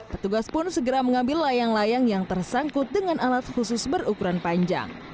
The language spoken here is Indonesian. petugas pun segera mengambil layang layang yang tersangkut dengan alat khusus berukuran panjang